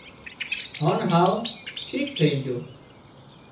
هانَ هاوَ ٺيڪ ٿئي جھو